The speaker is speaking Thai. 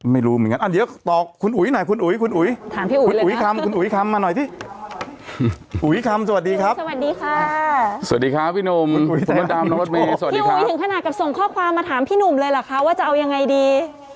ไม่ถึงขนาดกับส่งข้อความมาถามพี่หนุ่มเลยล่ะคะว่าจะเอายังไงดี